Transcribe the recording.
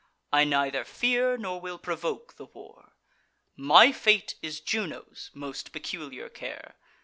I neither fear nor will provoke the war; My fate is Juno's most peculiar care.